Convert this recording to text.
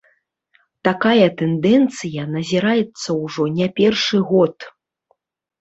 Такая тэндэнцыя назіраецца ўжо не першы год.